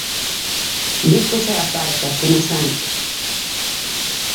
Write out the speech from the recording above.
Bicos e apertas coma sempre.